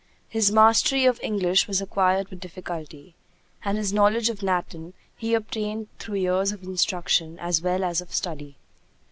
His mastery of English was acquired with difficulty, and his knowledge of Latin he obtained through years of instruction as well as of study.